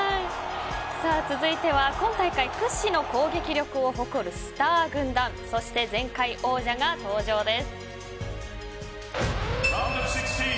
続いては今大会屈指の攻撃力を誇るスター軍団そして、前回王者が登場です。